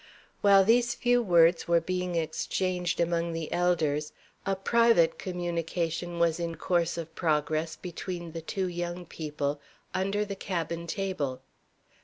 While these few words were being exchanged among the elders, a private communication was in course of progress between the two young people under the cabin table.